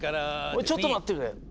おいちょっと待ってくれ。